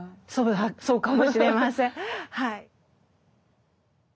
そうかもしれませんはい。